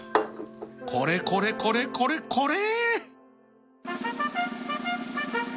これこれこれこれこれ！